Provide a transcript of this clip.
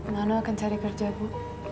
mana akan cari kerja bu